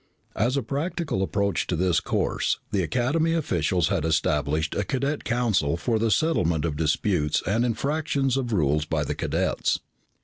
As a practical approach to this course, the Academy officials had established a Cadet Council for the settlement of disputes and infractions of rules by the cadets.